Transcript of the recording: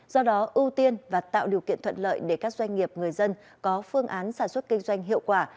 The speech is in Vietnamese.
do đó ưu tiên và tạo điều kiện thuận lợi để các doanh nghiệp người dân có phương án sản xuất kinh doanh hiệu quả